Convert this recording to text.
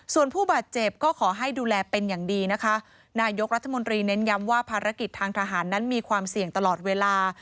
ส่วนผู้บาดเจ็บก็ขอให้ดูแลเป็นอย่างดีนะคะนายกรัฐมนตรีเน้นย้ำว่าภารกิจทางทหารนั้นมีความเสี่ยงตลอดเวลา